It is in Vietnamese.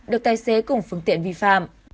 được tài xế cùng phương tiện vi phạm